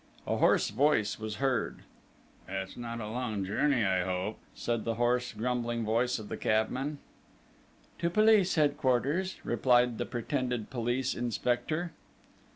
A hoarse voice was heard. "It's not a long journey, I hope!" said the hoarse, grumbling voice of the cabman. "To Police Headquarters," replied the pretended police inspector.